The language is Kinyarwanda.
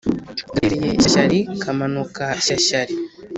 gatereye shyashyari kamanuka shyashyari